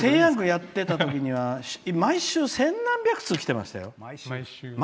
やってたとき毎週、千何百通きてました。